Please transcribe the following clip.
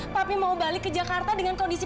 tapi mau balik ke jakarta dengan kondisi